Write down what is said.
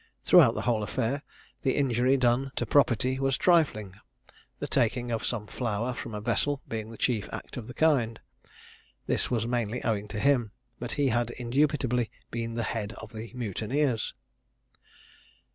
Throughout the whole affair, the injury done to property was trifling, the taking of some flour from a vessel being the chief act of the kind. This was mainly owing to him. But he had indubitably been the head of the mutineers.